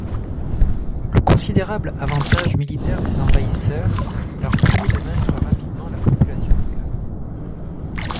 Le considérable avantage militaire des envahisseurs leur permit de vaincre rapidement la population locale.